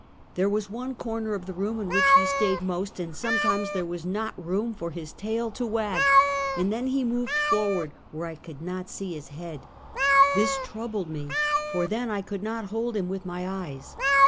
There was one corner of the room in which he stayed most, and sometimes there was not room for his tail to wag, and then he moved forward where I could not see his head. This troubled me, for then I could not hold him with my eyes.